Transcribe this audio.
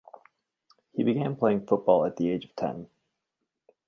He began playing football at the age of ten.